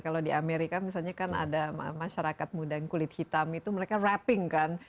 kalau di amerika misalnya kan ada masyarakat muda yang kulit hitam itu mereka rapping kan